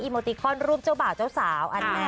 โมติคอนรูปเจ้าบ่าวเจ้าสาว